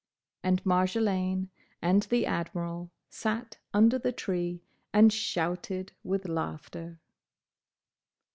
And Marjolaine and the Admiral sat under the tree and shouted with laughter!